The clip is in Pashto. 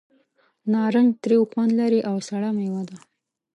نارنج تریو خوند لري او سړه مېوه ده.